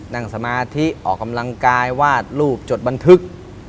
นั่งสมาธิออกกำลังกายวาดรูปจดบันทึก